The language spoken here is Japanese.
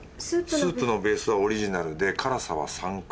スープのベースはオリジナルで辛さは３辛。